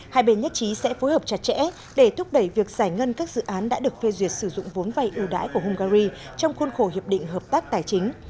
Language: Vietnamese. hai bên nhất trí sẽ phối hợp chặt chẽ để thúc đẩy việc giải ngân các dự án đã được phê duyệt sử dụng vốn vay ưu đãi của hungary trong khuôn khổ hiệp định hợp tác tài chính